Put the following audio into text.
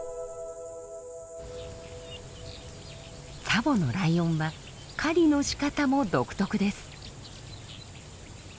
ツァボのライオンは狩りのしかたも独特です。